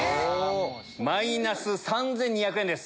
マイナス３２００円です。